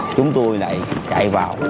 chúng tôi lại chạy vào